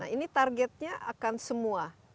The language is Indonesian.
ini targetnya akan semua